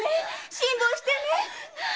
辛抱してね。